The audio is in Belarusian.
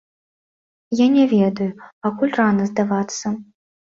Я не ведаю, пакуль рана здавацца.